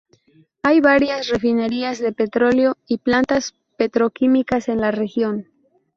Hay varias refinerías de petroleo y plantas petroquímicas en la región.